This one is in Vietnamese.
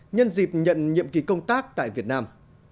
nhân dịp nhận nhiệm kỳ công tác tại việt nam